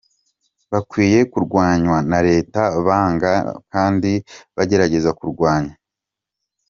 bakwiye kurwanywa na Leta banga kandi bagerageza kurwanya.